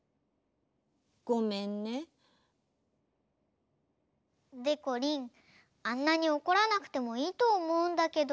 ごめんね。でこりんあんなにおこらなくてもいいとおもうんだけど。